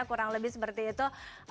kurang lebih seperti itu